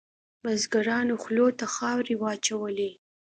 بزګرانو خولو ته خاورې واچولې.